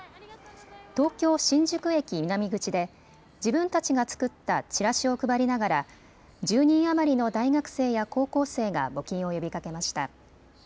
東京、新宿駅南口で自分たちが作ったチラシを配りながら１０人余りの大学生や高校生が募金を呼びかけました。